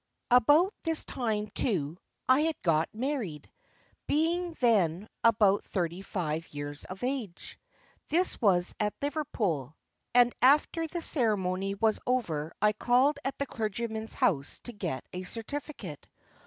"About this time, too, I had got married, being then about thirty five years of age. This was at Liverpool, and after the ceremony was over I called at the clergyman's house to get a certificate.